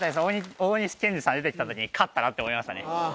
大西賢示さん出てきた時に勝ったなって思いましたね